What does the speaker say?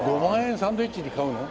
サンドイッチ買うの？